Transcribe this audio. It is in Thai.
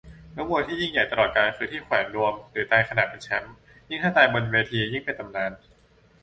นักมวยที่ยิ่งใหญ่ตลอดกาล คือที่แขวนนวมหรือตายขณะเป็นแชมป์ ยิ่งถ้าตายบนเวทียิ่งเป็นตำนาน